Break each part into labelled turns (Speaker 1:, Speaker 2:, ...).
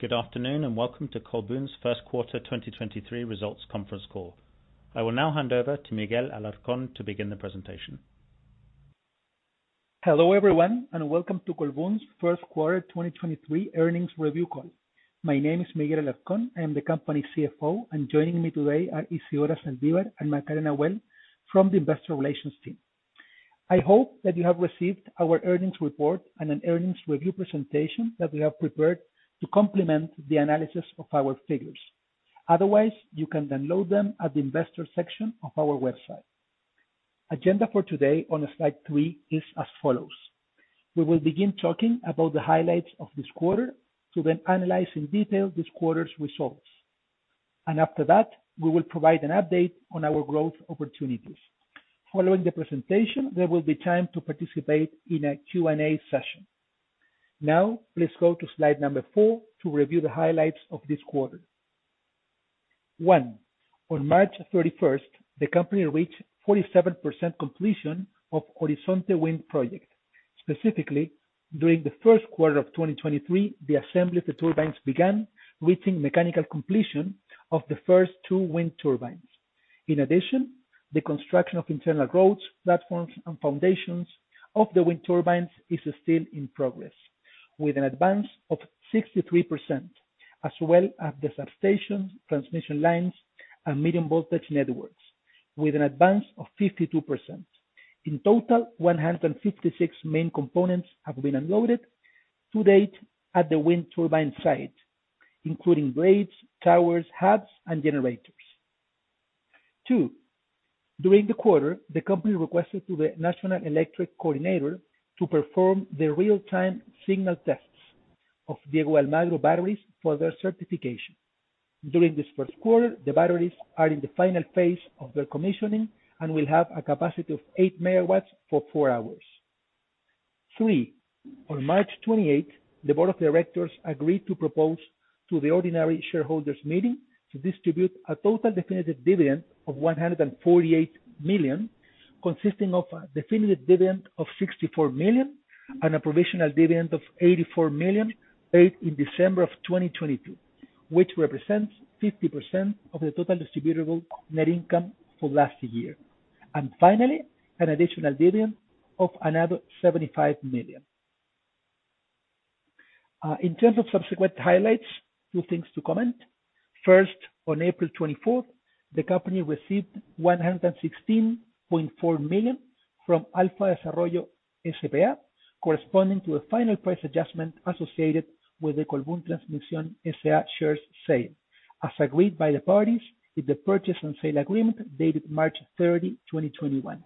Speaker 1: Good afternoon, and welcome to Colbún's Q1 2023 results Conference Call. I will now hand over to Miguel Alarcón to begin the presentation.
Speaker 2: Hello, everyone, and welcome to Colbún's Q1 2023 earnings review call. My name is Miguel Alarcón. I am the company's CFO. Joining me today are Isidora Zaldívar and Macarena Güell from the investor relations team. I hope that you have received our earnings report and an earnings review presentation that we have prepared to complement the analysis of our figures. Otherwise, you can download them at the investor section of our website. Agenda for today on slide 3 is as follows: We will begin talking about the highlights of this quarter to then analyze in detail this quarter's results. After that, we will provide an update on our growth opportunities. Following the presentation, there will be time to participate in a Q&A session. Now, please go to slide number 4 to review the highlights of this quarter. 1. On March 31st, the company reached 47% completion of Horizonte wind project. Specifically, during the 1st quarter of 2023, the assembly of the turbines began, reaching mechanical completion of the 1st two wind turbines. In addition, the construction of internal roads, platforms, and foundations of the wind turbines is still in progress, with an advance of 63%, as well as the substation, transmission lines, and medium voltage networks, with an advance of 52%. In total, 156 main components have been unloaded to date at the wind turbine site, including blades, towers, hubs, and generators. 2. During the quarter, the company requested to the National Electric Coordinator to perform the real-time signal tests of Diego de Almagro batteries for their certification. During this Q1, the batteries are in the final phase of their commissioning and will have a capacity of 8 MW for four hours. 3, on March 28, the board of directors agreed to propose to the ordinary shareholders meeting to distribute a total definitive dividend of $148 million, consisting of a definitive dividend of $64 million and a provisional dividend of $84 million paid in December of 2022, which represents 50% of the total distributable net income for last year. Finally, an additional dividend of another $75 million. In terms of subsequent highlights, 2 things to comment. On April 24th, the company received $116.4 million from Alfa Desarrollo SpA, corresponding to a final price adjustment associated with the Colbún Transmisión S.A. shares sale, as agreed by the parties in the purchase and sale agreement dated March 30, 2021,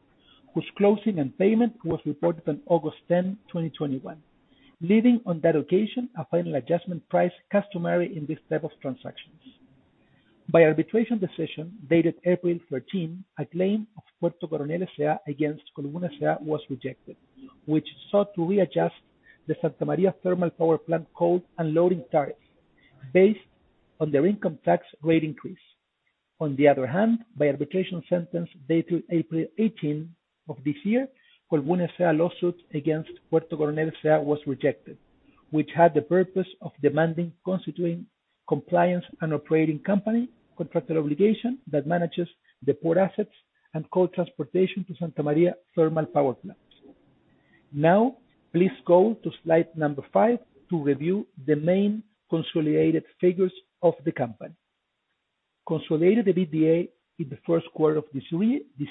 Speaker 2: whose closing and payment was reported on August 10, 2021, leaving on that occasion a final adjustment price customary in this type of transactions. By arbitration decision dated April 13, a claim of Puerto Coronel S.A. against Colbún S.A. was rejected, which sought to readjust the Santa María Thermal Power Plant coal and loading tariffs based on their income tax rate increase. By arbitration sentence dated April 18th of this year, Colbún S.A. lawsuit against Puerto Coronel S.A. was rejected, which had the purpose of demanding constituting compliance and operating company contractor obligation that manages the port assets and coal transportation to Santa María Thermal Power Plant. Please go to slide number 5 to review the main consolidated figures of the company. Consolidated EBITDA in the Q1 of this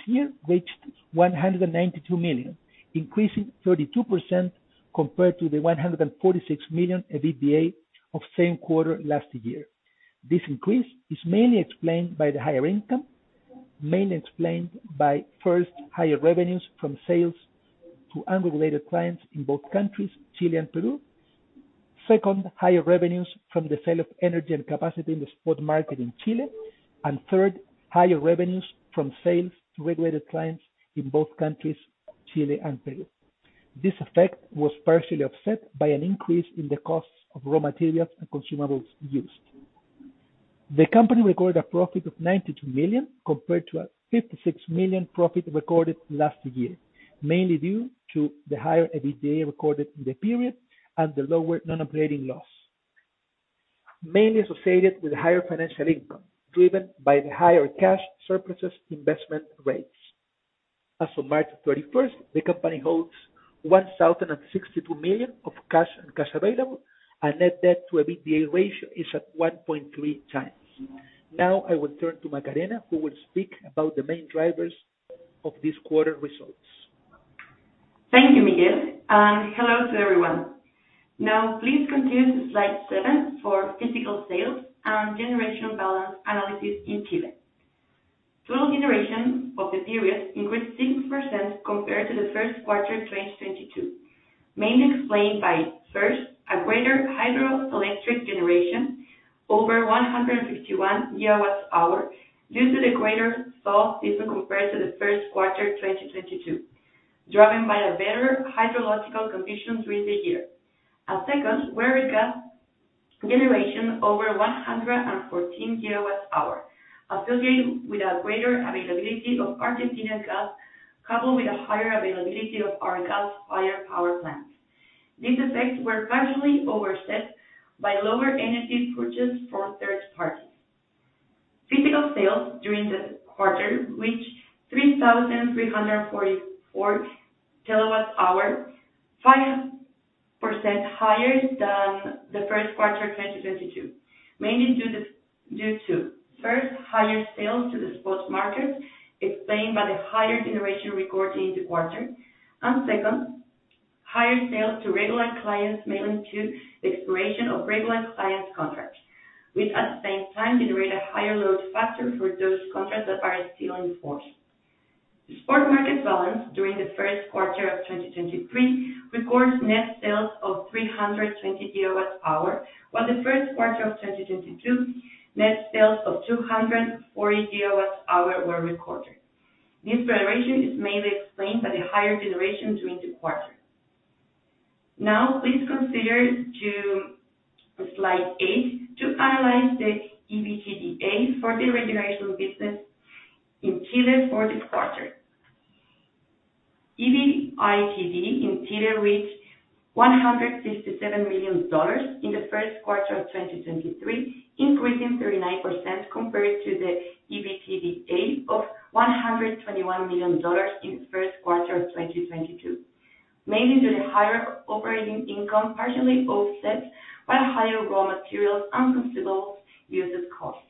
Speaker 2: year reached $192 million, increasing 32% compared to the $146 million EBITDA of same quarter last year. This increase is mainly explained by the higher income, mainly explained by, first, higher revenues from sales to unregulated clients in both countries, Chile and Peru. Second, higher revenues from the sale of energy and capacity in the spot market in Chile. Third, higher revenues from sales to regulated clients in both countries, Chile and Peru. This effect was partially offset by an increase in the costs of raw materials and consumables used. The company recorded a profit of $92 million, compared to a $56 million profit recorded last year, mainly due to the higher EBITDA recorded in the period and the lower non-operating loss, mainly associated with higher financial income, driven by the higher cash surpluses investment rates. As of March 31st, the company holds $1,062 million of cash and cash available, and net debt to EBITDA ratio is at 1.3 times. I will turn to Macarena, who will speak about the main drivers of this quarter results.
Speaker 3: Thank you, Miguel. Hello to everyone. Now please continue to slide 7 for physical sales and generation balance analysis in Chile. Total generation of the period increased six percent compared to the Q1 2022, mainly explained by, first, a greater hydroelectric generation over 151 gigawatt-hours due to the greater snow season compared to the Q1 2022, driven by the better hydrological conditions during the year. Second, where gas generation over 114 gigawatt-hours, affiliated with a greater availability of Argentina's gas, coupled with a higher availability of our gas-fired power plants. These effects were casually offset by lower energy purchases for third parties. Physical sales during the quarter reached 3,344 kilowatt-hours, five percent higher than the Q1 of 2022. Mainly due to, first, higher sales to the spot market, explained by the higher generation recorded in the quarter. Second, higher sales to regular clients, mainly due to the expiration of regular clients contracts, which at the same time generate a higher load factor for those contracts that are still in force. The spot market balance during the Q1 of 2023 records net sales of 320 gigawatt-hours, while the Q1 of 2022, net sales of 240 gigawatt-hours were recorded. This variation is mainly explained by the higher generation during the quarter. Please consider to slide 8 to analyze the EBITDA for the generation business in Chile for this quarter. EBITDA in Chile reached $167 million in the Q1 of 2023, increasing 39% compared to the EBITDA of $121 million in the Q1 of 2022, mainly due to higher operating income, partially offset by higher raw materials and consumable usage costs.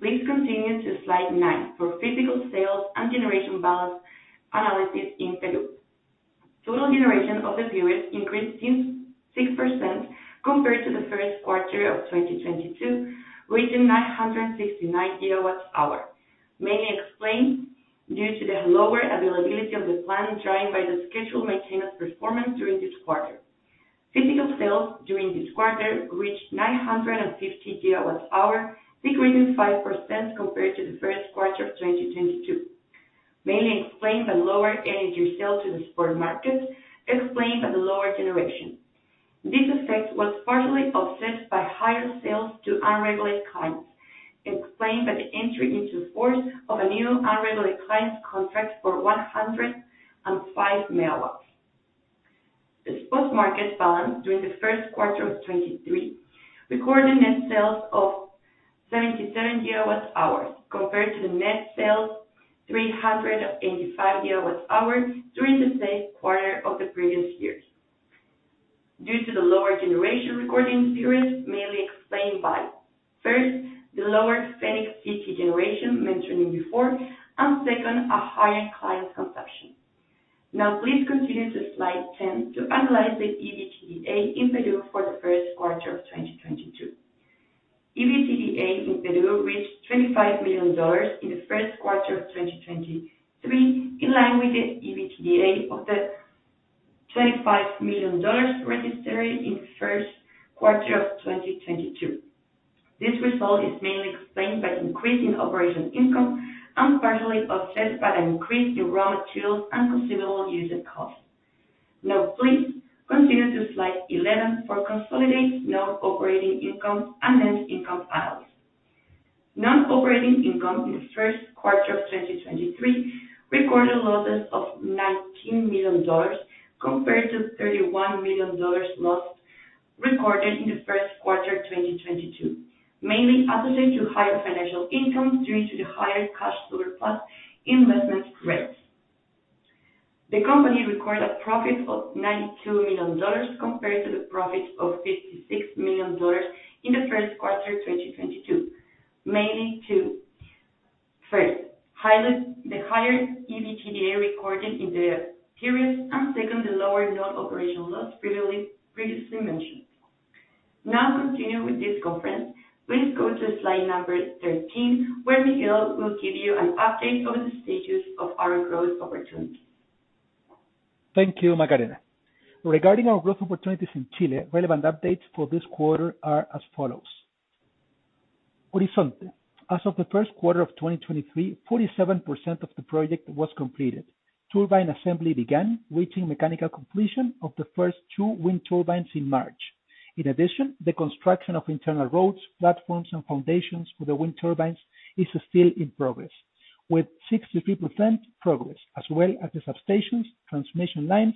Speaker 3: Please continue to slide 9 for physical sales and generation balance analysis in Peru. Total generation of the period increased six percent compared to the Q1 of 2022, reaching 969 gigawatt-hours, mainly explained due to the lower availability of the plant, driven by the scheduled maintenance performance during this quarter. Physical sales during this quarter reached 950 gigawatt-hours, decreasing 5% compared to the Q1 of 2022, mainly explained by lower energy sales to the spot markets, explained by the lower generation. This effect was partially offset by higher sales to unregulated clients, explained by the entry into force of a new unregulated client contract for 105 MW. The spot market balance during the Q1 of 2023 recorded net sales of 77 GWh compared to the net sales of 385 GWh during the same quarter of the previous years due to the lower generation recorded in the period, mainly explained by, first, the lower Fenix CT generation mentioned before, and second, a higher client consumption. Now please continue to slide 10 to analyze the EBITDA in Peru for the Q1 of 2022. EBITDA in Peru reached $25 million in the Q1 of 2023, in line with the EBITDA of the $25 million registered in the Q1 of 2022. This result is mainly explained by increase in operation income, partially offset by an increase in raw materials and consumable usage costs. Please continue to slide 11 for consolidated non-operating income and net income analysis. Non-operating income in the Q1 of 2023 recorded losses of $19 million compared to $31 million loss recorded in the Q1 of 2022, mainly attributed to higher financial income due to the higher cash surplus investment rates. The company recorded a profit of $92 million compared to the profit of $56 million in the Q1 of 2022, mainly to, first, highlight the higher EBITDA recorded in the period, second, the lower non-operational loss previously mentioned. Continuing with this conference, please go to slide number 13, where Miguel will give you an update on the status of our growth opportunities.
Speaker 2: Thank you, Macarena. Regarding our growth opportunities in Chile, relevant updates for this quarter are as follows. Horizonte. As of the Q1 of 2023, 47% of the project was completed. Turbine assembly began, reaching mechanical completion of the 2 wind turbines in March. In addition, the construction of internal roads, platforms, and foundations for the wind turbines is still in progress with 63% progress, as well as the substations, transmission lines,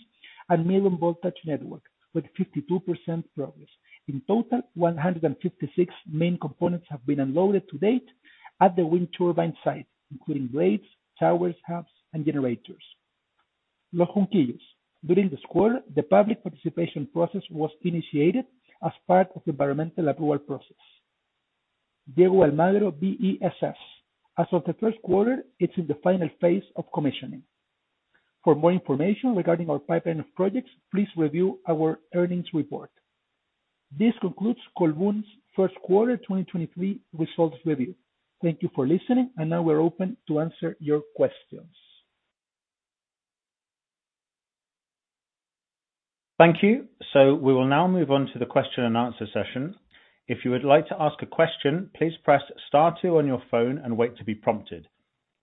Speaker 2: and medium voltage network with 52% progress. In total, 156 main components have been unloaded to date at the wind turbine site, including blades, towers, hubs, and generators. Los Junquillos. During this quarter, the public participation process was initiated as part of the environmental approval process. Diego de Almagro BESS. As of the Q1, it's in the final phase of commissioning. For more information regarding our pipeline of projects, please review our earnings report. This concludes Colbún's Q1 2023 results review. Thank you for listening, and now we're open to answer your questions.
Speaker 1: Thank you. We will now move on to the question and answer session. If you would like to ask a question, please press star 2 on your phone and wait to be prompted.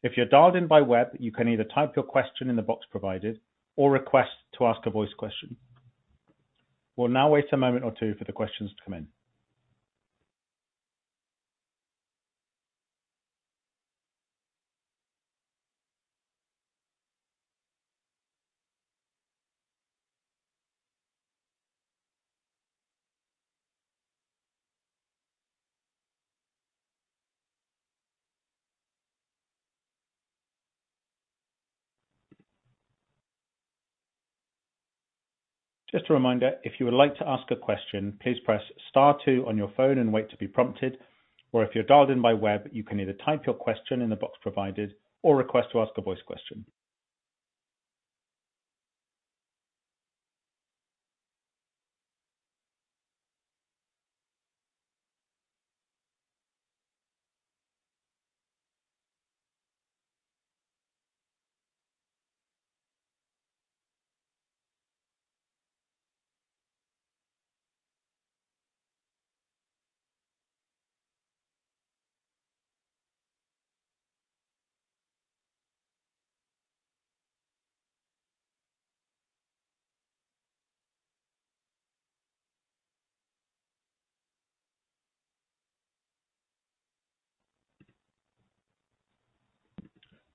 Speaker 1: If you're dialed in by web, you can either type your question in the box provided or request to ask a voice question. We'll now wait a moment or 2 for the questions to come in. Just a reminder, if you would like to ask a question, please press star 2 on your phone and wait to be prompted. Or if you're dialed in by web, you can either type your question in the box provided or request to ask a voice question.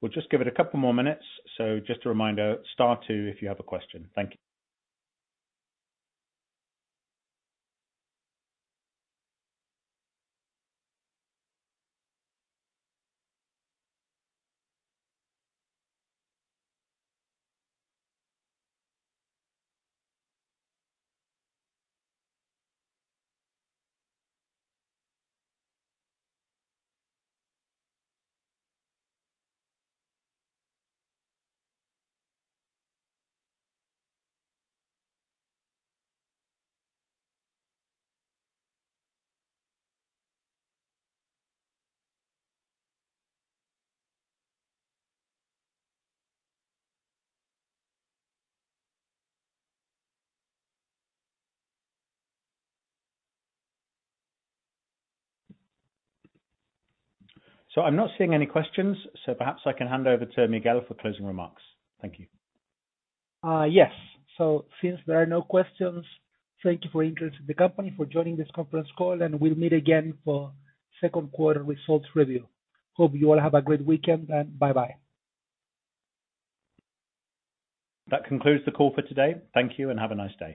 Speaker 1: We'll just give it a couple more minutes. Just a reminder, star 2 if you have a question. Thank you. I'm not seeing any questions, so perhaps I can hand over to Miguel for closing remarks. Thank you.
Speaker 2: Yes. Since there are no questions, thank you for interest in the company, for joining this Conference Call, and we'll meet again for the Q2 results review. Hope you all have a great weekend and bye-bye.
Speaker 1: That concludes the call for today. Thank you and have a nice day.